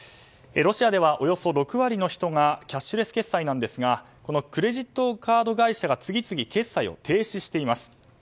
ロシアではおよそ６割の人がキャッシュレス決済なんですがこのクレジットカード会社が次々、決済を停止しています。